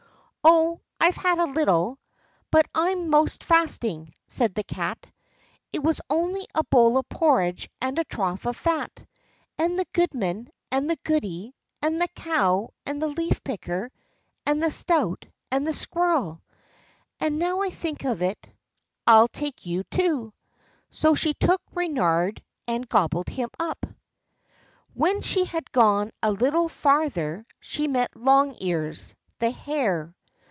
"Oh, I've had a little, but I'm 'most fasting," said the Cat; "it was only a bowl of porridge, and a trough of fat, and the goodman, and the goody, and the cow, and the leaf picker, and the stoat, and the squirrel—and, now I think of it, I'll take you too." So she took Reynard and gobbled him up. When she had gone a little farther she met Long Ears, the hare.